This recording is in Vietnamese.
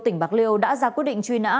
tỉnh bạc liêu đã ra quyết định truy nã